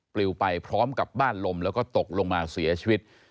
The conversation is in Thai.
ลิวไปพร้อมกับบ้านลมแล้วก็ตกลงมาเสียชีวิต